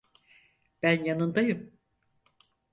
Ben yanındayım.